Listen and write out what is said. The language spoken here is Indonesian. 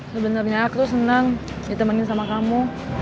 sebenernya aku senang ditemani sama kamu